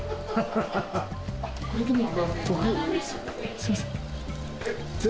すいません。